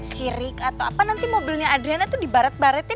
si rik atau apa nanti mobilnya adriana tuh dibaret baretin